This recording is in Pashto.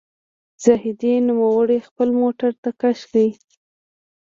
زاهدي نوموړی خپل موټر ته کش کړ.